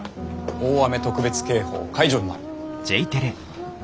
大雨特別警報解除になる。